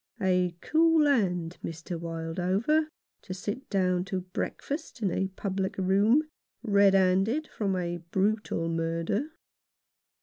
A cool hand, Mr. Wildover, to sit down to breakfast in a public room, red handed from a brutal murder.